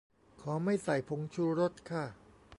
ขอไม่ใส่ผงชูรสค่ะ